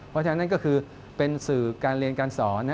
เพราะฉะนั้นก็คือเป็นสื่อการเรียนการสอน